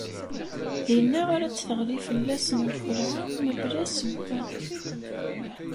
Dinna ara d-teɣli fell-asen lxelɛa, mebla ssebba.